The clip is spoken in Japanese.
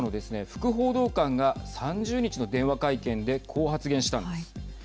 副報道官が３０日の電話会見でこう発言したんです。